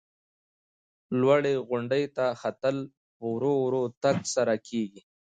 لوړې غونډۍ ته ختل په ورو ورو تګ سره کېږي.